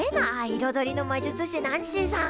いろどりのまじゅつ師ナンシーさん。